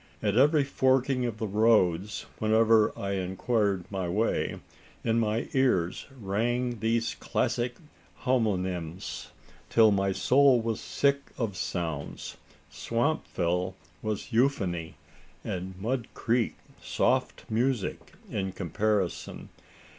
At every forking of the roads, whenever I inquired my way, in my ears rang those classic homonyms, till my soul was sick of sounds. "Swampville" was euphony, and "Mud Creek" soft music in comparison!